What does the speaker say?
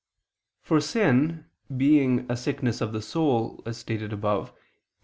For sin, being a sickness of the soul, as stated above (Q.